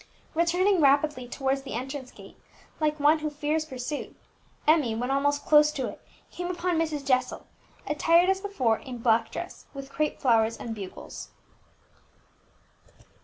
Returning rapidly towards the entrance gate, like one who fears pursuit, Emmie, when almost close to it, came upon Mrs. Jessel, attired as before in black dress, with crape flowers and bugles.